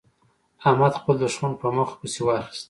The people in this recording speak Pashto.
احمد خپل دوښمن په مخه پسې واخيست.